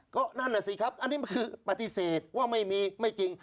ก็นั่นแหละสิครับอันนี้คือปฏิเสธว่าไม่มีไม่จริง